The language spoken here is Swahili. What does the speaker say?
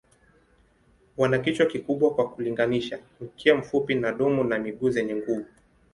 Wana kichwa kikubwa kwa kulinganisha, mkia mfupi na domo na miguu zenye nguvu.